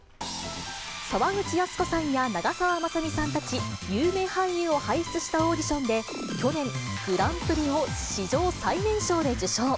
沢口靖子さんや長澤まさみさんたち、有名俳優を輩出したオーディションで、去年、グランプリを史上最年少で受賞。